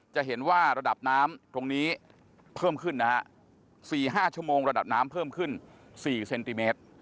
จะเห็นว่าระดับน้ำตรงนี้เพิ่มขึ้นนะฮะ๔๕ชั่วโมงระดับน้ำเพิ่มขึ้น๔เซนติเมตร